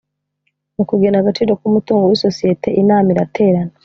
mu kugena agaciro k’umutungo w’isosiyete inama iraterana